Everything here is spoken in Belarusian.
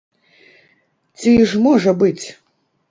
Ці ж можа быць?